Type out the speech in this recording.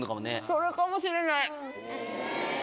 それかもしれない。